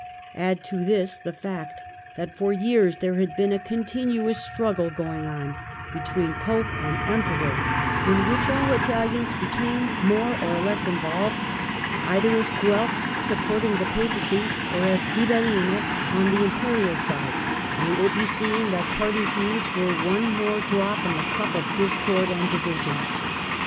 Add to this the fact that for years there had been a continuous struggle going on between Pope and Emperor, in which all 27 28 THE END OF THE MIDDLE AGE Italians became more or less involved, either as Guelfs supporting the Papacy, or as Ghibellines on the Imperial side, and it will be seen that party feuds were one more drop in the cup of discord and division.